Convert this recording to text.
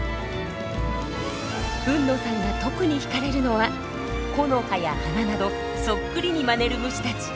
海野さんが特に引かれるのは木の葉や花などそっくりにまねる虫たち。